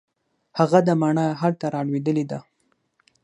هغه ده مڼه هلته رالوېدلې ده.